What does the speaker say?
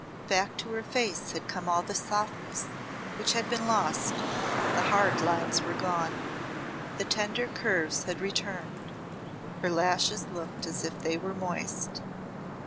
Back to her face had come all the softness which had been lost, the hard lines were gone, the tender curves had returned, her lashes looked as if they were moist.